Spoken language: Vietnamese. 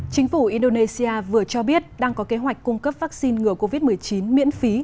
chính phủ indonesia vừa cho biết đang có kế hoạch cung cấp vaccine ngừa covid một mươi chín miễn phí